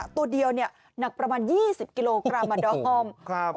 ตัวเดียวเนี่ยหนักประมาณ๒๐กิโลกรัมครับ